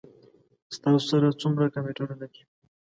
ستاسو سره څومره کمپیوټرونه دي؟